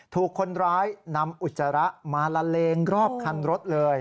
ถูกคนร้ายนำอุจจาระมาละเลงรอบคันรถเลย